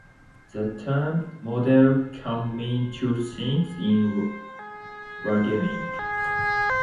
The term "model" can mean two things in wargaming.